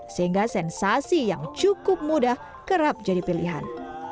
sehingga sensasi yang cukup mudah kerap jadi pilihan